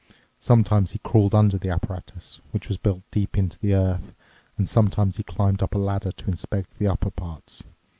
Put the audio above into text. Sometimes he crawled under the apparatus, which was built deep into the earth, and sometimes he climbed up a ladder to inspect the upper parts.